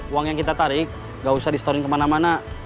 uang yang kita tarik gak usah di storing kemana mana